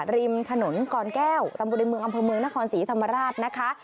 ริมถนนกรแก้วตำบลในเมืองอำเภอเมืองนครศรีธรรมราชนะคะ